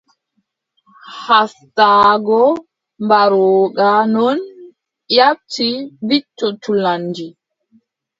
Haaftaago mbarooga non yaaɓti wicco culanndi.